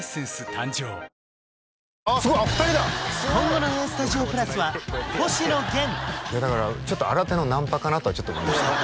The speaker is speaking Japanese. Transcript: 誕生今後の「ＡＳＴＵＤＩＯ＋」は星野源いやだからちょっと新手のナンパかなとはちょっと思いました